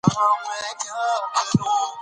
جلګه د افغان تاریخ په کتابونو کې ذکر شوی دي.